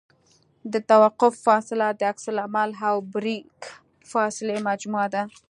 د توقف فاصله د عکس العمل او بریک فاصلې مجموعه ده